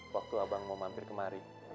waktu abang mau mampir kemari